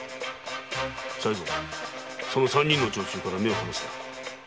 才三その三人の女中から目を離すな。